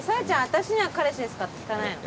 私には「彼氏ですか？」って聞かないの？